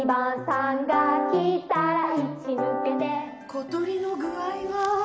小鳥の具合は？